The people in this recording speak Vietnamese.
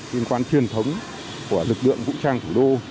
liên quan truyền thống của lực lượng vũ trang thủ đô